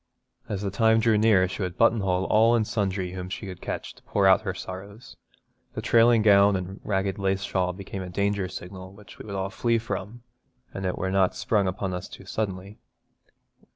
As the time drew near she would buttonhole all and sundry whom she could catch to pour out her sorrows. The trailing gown and ragged lace shawl became a danger signal which we would all flee from, an it were not sprung upon us too suddenly.